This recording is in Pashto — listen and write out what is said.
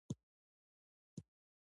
دښتې د افغانستان د زرغونتیا نښه ده.